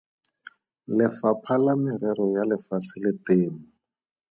Lefapha la Merero ya Lefatshe la Temo.